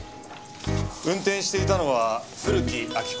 運転していたのは古木亜木子３５歳。